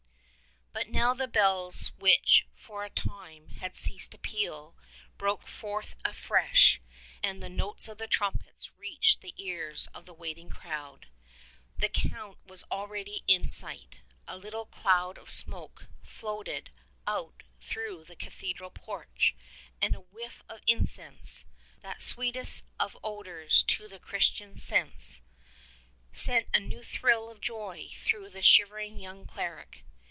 But now the bells which, for a time, had ceased to peal, broke forth afresh, and the notes of the trumpets reached the ears of the waiting crowd. The Count was already in sight. A little cloud of smoke floated out through the cathedral porch, and a whiff of incense (that sweetest of odors to the Christian's sense) sent a new thrill of joy through the shivering young cleric.